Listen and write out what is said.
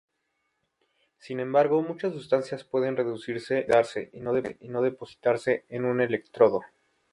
Sin embargo, muchas sustancias pueden reducirse u oxidarse y no depositarse en un electrodo.